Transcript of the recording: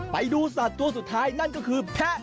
ไปดูสัตว์ตัวสุดท้ายนั่นก็คือแพะ